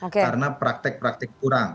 karena praktek praktek kurang